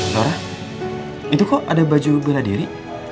laura itu kok ada baju beladiri